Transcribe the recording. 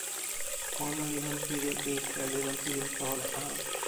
ona li lon pilin ike li lon pilin pona a.